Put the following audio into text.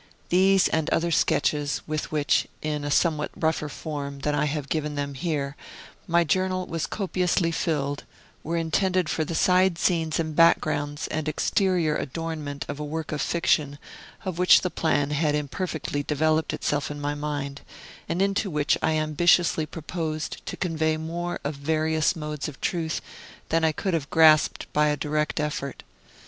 These and other sketches, with which, in a somewhat rougher form than I have given them here, my journal was copiously filled, were intended for the side scenes and backgrounds and exterior adornment of a work of fiction of which the plan had imperfectly developed itself in my mind, and into which I ambitiously proposed to convey more of various modes of truth than I could have grasped by a direct effort.